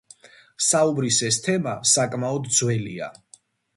საუბრის ეს თემა საკმაოდ ძველია.